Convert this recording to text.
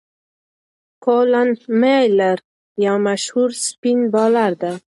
کولن میلیر یو مشهور سپېن بالر دئ.